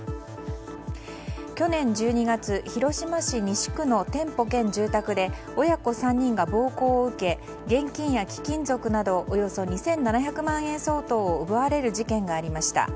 去年１２月広島市西区の店舗兼住宅で親子３人が暴行を受け現金や貴金属などおよそ２７００万円相当を奪われる事件がありました。